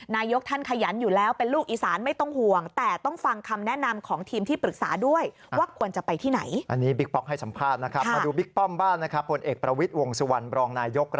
นายกท่านขยันอยู่แล้วเป็นลูกอีสานไม่ต้องห่วง